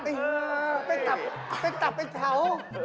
ไปตับไปเฉา